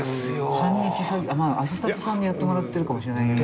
半日アシスタントさんにやってもらってるかもしれないけど。